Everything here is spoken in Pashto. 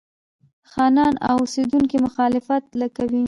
خانان او اوسېدونکي مخالفت کوي.